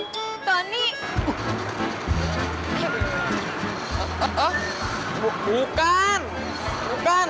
bukan cepukan tony